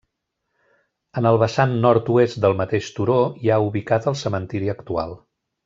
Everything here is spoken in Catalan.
En el vessant nord-oest del mateix turó hi ha ubicat el cementiri actual.